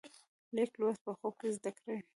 لیک لوست په خوب کې زده کړی دی.